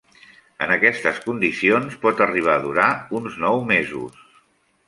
En aquestes condicions, pot arribar a durar uns nou mesos.